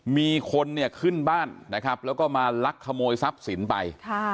มีคนไปขึ้นบ้านแล้วก็มารักขโมยทรัพย์สินไป